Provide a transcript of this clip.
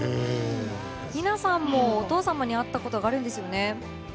ＮＩＮＡさんもお父さんに会ったことがあるんですよね？